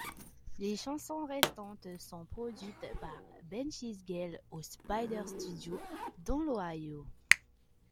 Les chansons restantes sont produites par Ben Schigel aux Spider Studios dans l'Ohio.